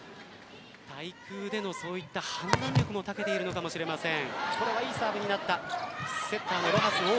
対空での判断力も長けているのかもしれません。